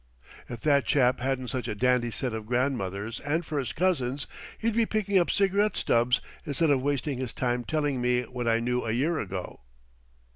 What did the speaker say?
"If that chap hadn't such a dandy set of grandmothers and first cousins, he'd be picking up cigarette stubs instead of wasting his time telling me what I knew a year ago."